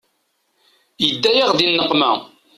Yedda-yaɣ di nneqma.